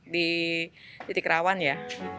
di titik rawan ya